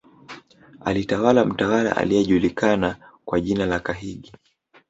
Alitawala mtawala aliyejulikana kwa jina la Kahigi